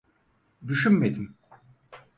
Düşünmedim.